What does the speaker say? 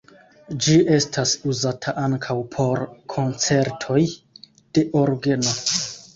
Ĝi estas uzata ankaŭ por koncertoj de orgeno.